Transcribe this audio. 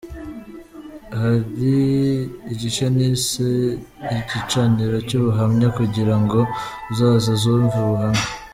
Hari igice nise ’Igicaniro cy’ubuhamya’ kugira ngo uzaza azumve ubuhamya.